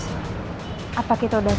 apa kita udah salah karena kita udah nuduh elsa